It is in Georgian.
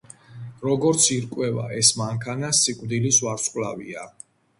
როგორც ირკვევა, ეს მანქანა სიკვდილის ვარსკვლავია.